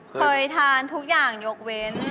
เคยทานทุกอย่างยกเว้น